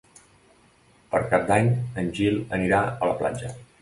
Per Cap d'Any en Gil anirà a la platja.